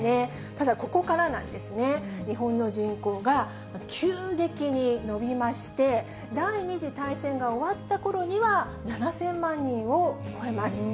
ただ、ここからなんですね、日本の人口が急激に伸びまして、第２次大戦が終わったころには７０００万人を超えます。